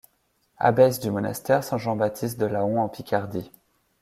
Abbesse du monastère Saint-Jean-Baptiste de Laon en Picardie.